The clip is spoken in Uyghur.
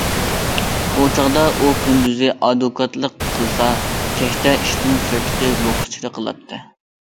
ئۇ چاغدا، ئۇ كۈندۈزى ئادۋوكاتلىق قىلسا، كەچتە ئىشتىن سىرتقى بوكسچىلىق قىلاتتى.